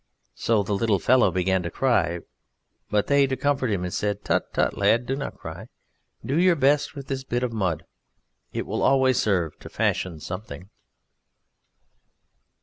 So the little fellow began to cry, but they, to comfort him, said: "Tut, lad! tut! do not cry; do your best with this bit of mud. It will always serve to fashion something."